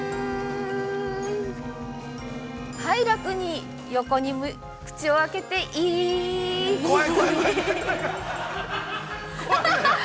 はい楽に横に、口をあけて、イー、◆怖い。